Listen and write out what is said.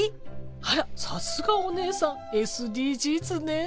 あらさすがお姉さんＳＤＧｓね。